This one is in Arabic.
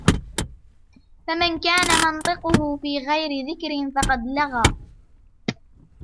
فَمَنْ كَانَ مَنْطِقُهُ فِي غَيْرِ ذِكْرٍ فَقَدْ لَغَا